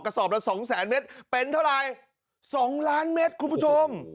สอบละ๒๐๐๐เมตรเป็นเท่าไหร่๒ล้านเมตรคุณผู้ชม